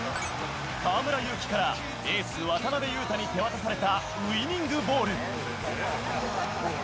河村勇輝からエース、渡邊雄太に手渡されたウイニングボール。